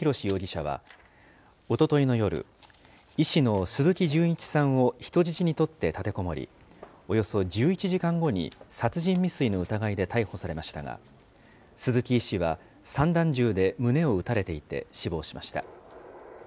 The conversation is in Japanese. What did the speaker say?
容疑者はおとといの夜、医師の鈴木純一さんを人質に取って立てこもり、およそ１１時間後に殺人未遂の疑いで逮捕されましたが、鈴木医師は散弾銃で胸を撃たれていて死亡しました。